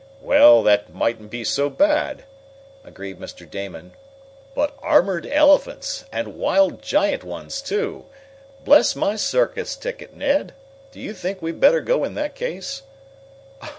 "Well, that mightn't be so bad," agreed Mr. Damon. "But um elephants and wild giant ones, too! Bless my circus ticket, Ned! do you think we'd better go in that case?"